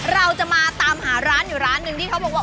เราจะมาตามหาร้านอยู่ร้านหนึ่งที่เขาบอกว่า